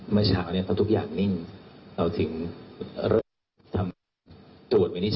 เมื่อเช้าเนี่ยทุกอย่างนิ่งเราถึงเลือกทำตรวจในนิสัย